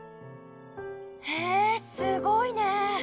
へえすごいね！